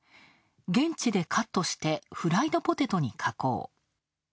現地でカットしてフライドポテトに加工。